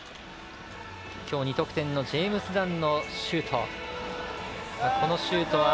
きょう２得点のジェームズ・ダンのシュート。